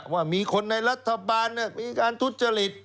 ว่ามีคนในรัฐบาลมีการทุจริต